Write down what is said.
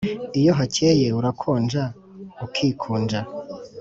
Iyo hacyeye urakonja ukikunja